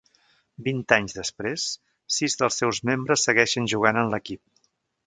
Vint anys després, sis dels seus membres segueixen jugant en l'equip.